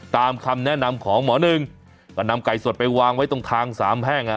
ตามคำแนะนำของหมอหนึ่งก็นำไก่สดไปวางไว้ตรงทางสามแห้งอ่ะ